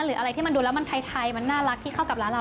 หรืออะไรที่มันดูแล้วมันไทยมันน่ารักที่เข้ากับร้านเรา